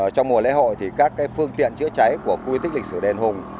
trong mùa lễ hội thì các phương tiện chữa cháy của khu di tích lịch sử đền hùng